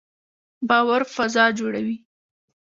باور فضا جوړوي